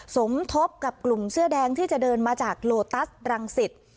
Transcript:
สมทบกับกลุ่มเสื้อแดงที่จะเดินมาจากโลตัสรังสิต